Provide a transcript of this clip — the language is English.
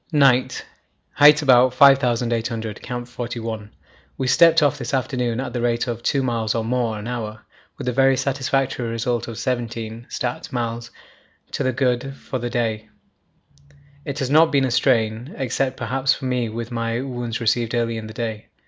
Night. Height about 5800. Camp 41. We stepped off this afternoon at the rate of 2 miles or more an hour, with the very satisfactory result of 17 (stat.) miles to the good for the day. It has not been a strain, except perhaps for me with my wounds received early in the day.